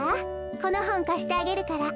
このほんかしてあげるから。